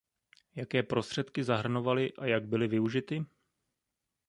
Jaké prostředky zahrnovaly a jak byly využity?